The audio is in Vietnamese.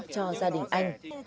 cho gia đình anh